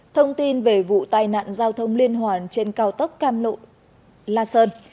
thông tin về vụ tai nạn giao thông liên hoàn trên cao tốc cam lộ la sơn